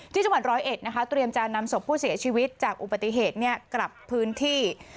ที่จังหวัด๑๐๑ตรวจนำศพผู้เสียชีวิตจากอุปติเหตุกลับพื้นที่